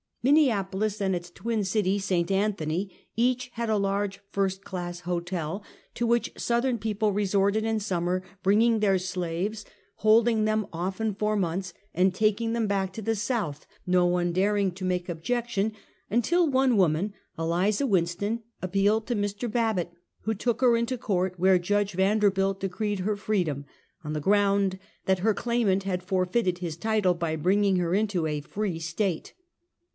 Minneapolis and its twin city St. Anthony each had a large first class hotel, to which Southern people re sorted in summer, bringing their slaves, holding them often for months, and taking them back to the 174 Half a Centuet. Sontli, no one daring to make objection; until one woman, Eliza Winston, appealed to Mr. Babbitt, who took her into court, where Judge Yanderbilt decreed her freedom, on the ground that her claimant had forfeited his title bv bringing her into a free State.